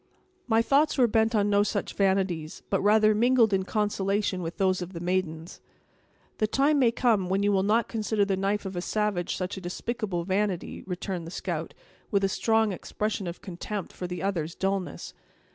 "My thoughts were bent on no such vanities, but rather mingled in consolation with those of the maidens." "The time may come when you will not consider the knife of a savage such a despicable vanity," returned the scout, with a strong expression of contempt for the other's dullness.